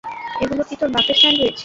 এগুলো কি তোর বাপের স্যান্ডউইচ?